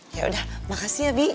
ya udah makasih ya bi